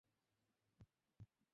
Please, আমার কথা শোনো।